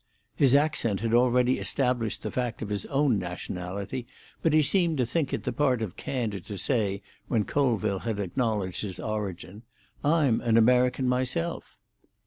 His accent had already established the fact of his own nationality, but he seemed to think it the part of candour to say, when Colville had acknowledged his origin, "I'm an American myself."